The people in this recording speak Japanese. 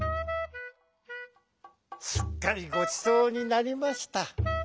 「すっかりごちそうになりました。